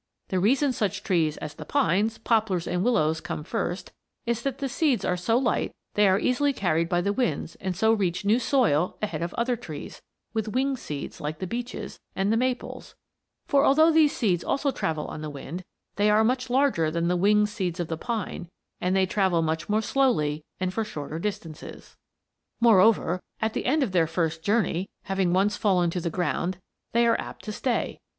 The reason such trees as the pines, poplars, and willows come first is that the seeds are so light they are easily carried by the winds and so reach new soil ahead of other trees with winged seeds like the beeches and the maples; for, although these seeds also travel on the wind, they are much larger than the winged seeds of the pine and they travel much more slowly and for shorter distances. Moreover, at the end of their first journey, having once fallen to the ground, they are apt to stay.